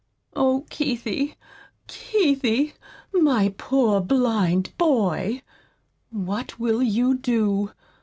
"Oh, Keithie, Keithie, my poor blind boy! What will you do?